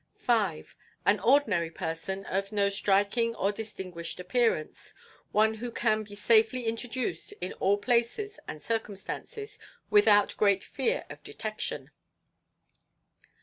5. An ordinary person of no striking or distinguished appearance. One who can be safely introduced in all places and circumstances without great fear of detection.